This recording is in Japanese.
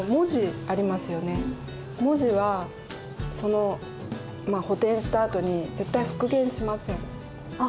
文字は補填したあとに絶対復元しません。